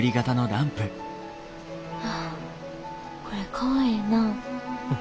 これかわいいなあ。